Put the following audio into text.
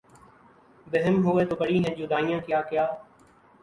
بہم ہوئے تو پڑی ہیں جدائیاں کیا کیا